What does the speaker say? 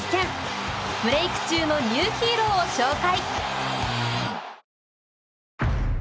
ブレーク中のニューヒーローを紹介。